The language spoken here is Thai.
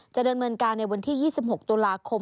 จะเดินเมืองกาวในวันที่๒๖ต๓๘คม